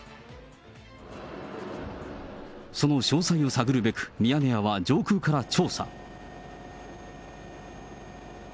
その詳細を探るべく、ミヤネ屋は上空から調査。